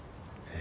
え？